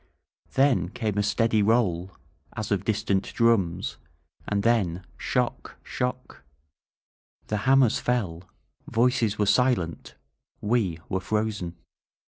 Then came a steady roll, as of distant drums, and then shock! shock! The hammers fell, voices were silent, we were S04 THE COMPANEROS REAPPEAR frozen.